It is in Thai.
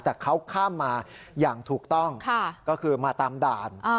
แต่เขาข้ามมาอย่างถูกต้องก็คือมาตามด่าน